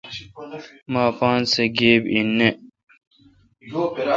مہ اپاسہ گیب ای نہ۔